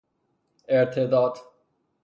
ارتداد